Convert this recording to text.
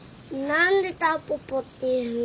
何でタンポポっていうの？